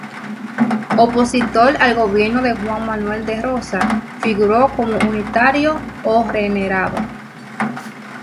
Opositor al gobierno de Juan Manuel de Rosas, figuró como unitario o "renegado".